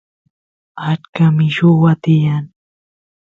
achka milluwa tiyan